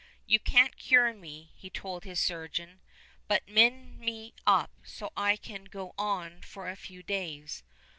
"You can't cure me," he told his surgeon, "but mend me up so I can go on for a few days."